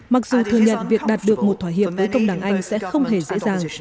mặc dù thừa nhận việc đạt được một thỏa hiệp với công đảng anh sẽ không hề dễ dàng